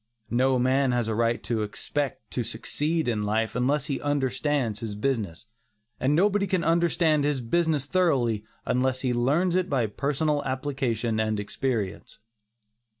No man has a right to expect to succeed in life unless he understands his business, and nobody can understand his business thoroughly unless he learns it by personal application and experience.